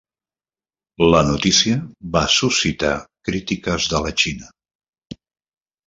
La notícia va suscitar crítiques de la Xina.